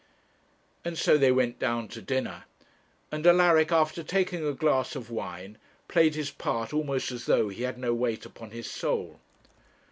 And so they went down to dinner, and Alaric, after taking a glass of wine, played his part almost as though he had no weight upon his soul.